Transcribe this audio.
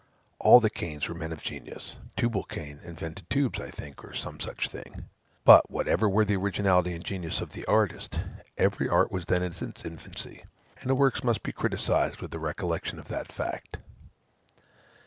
All the Cains were men of genius. Tubal Cain invented tubes, I think, or some such thing. But, whatever were the originality and genius of the artist, every art was then in its infancy, and the works must be criticised with a recollection of that fact.